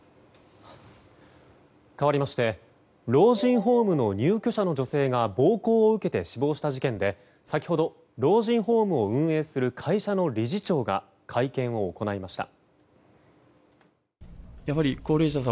かわりまして老人ホームの入居者の女性が暴行を受けて死亡した事件で先ほど、老人ホームを運営する会社の理事長が会見を行いました。